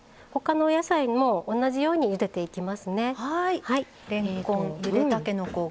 他のお野菜も同じようにゆでていきますね。